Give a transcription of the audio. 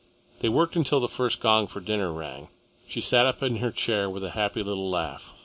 They worked until the first gong for dinner rang. She sat up in her chair with a happy little laugh.